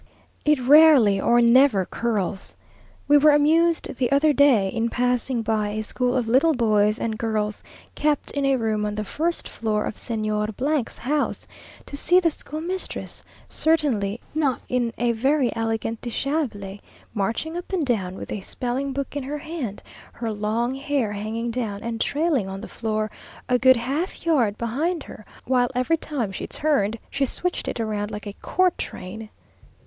It rarely or never curls. We were amused the other day in passing by a school of little boys and girls, kept in a room on the first floor of Señor 's house, to see the schoolmistress, certainly not in a very elegant dishabille, marching up and down with a spelling book in her hand, her long hair hanging down, and trailing on the floor a good half yard behind her; while every time she turned, she switched it round like a court train....